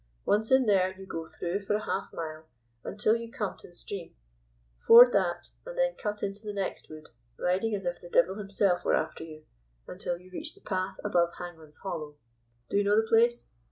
Once in there, you go through for a half a mile until you come to the stream, ford that, and then cut into the next wood, riding as if the devil himself were after you, until you reach the path above Hangman's Hollow. Do you know the place?"